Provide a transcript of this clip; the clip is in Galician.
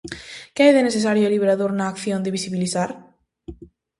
Que hai de necesario e liberador na acción de visibilizar?